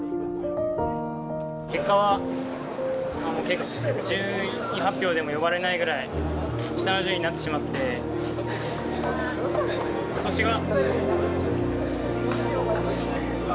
結果は、順位発表でも呼ばれないぐらい、下の順位になってしまって、ことしは。